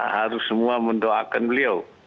harus semua mendoakan beliau